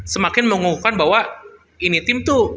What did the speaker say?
semakin mengukuhkan bahwa ini tim tuh